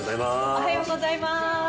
おはようございます。